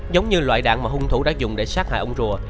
giống như loại đạn mà hung thủ đã dùng để sát hại ông rùa